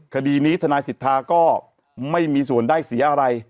คดีนี้ทนายสิทธาก็ไม่มีส่วนได้เสียอะไร